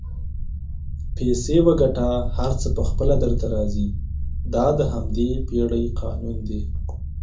پیسې وګټه هر څه پخپله درته راځي دا د همدې پیړۍ قانون دئ